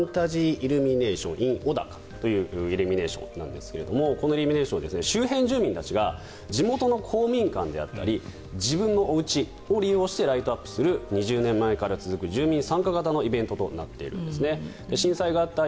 イルミネーションｉｎおだかというイルミネーションなんですがこのイルミネーションは周辺住民たちが地元の公民館であったり自分のおうちを利用してライトアップする２０年前から続く住民参加型のイルミネーションです。